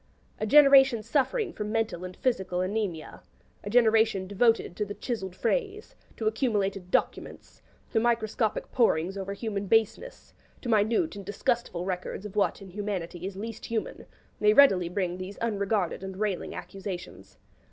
A generation suffering from mental and physical anaemia a generation devoted to the 'chiselled phrase,' to accumulated 'documents,' to microscopic porings over human baseness, to minute and disgustful records of what in humanity is least human may readily bring these unregarded and railing accusations.